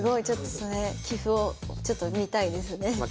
ちょっとそれ棋譜をちょっと見たいですね。